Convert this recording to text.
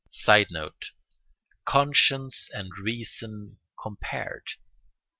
[Sidenote: Conscience and reason compared.